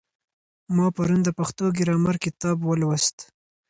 ما پرون د پښتو ګرامر کتاب لوست.